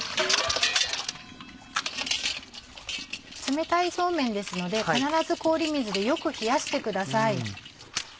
冷たいそうめんですので必ず氷水でよく冷やしてください。